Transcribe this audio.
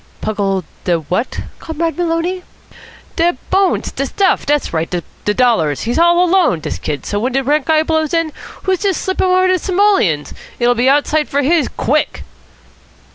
"Pungle de what, Comrade Maloney?" "De bones. De stuff. Dat's right. De dollars. He's all alone, dis kid, so when de rent guy blows in, who's to slip him over de simoleons? It'll be outside for his, quick."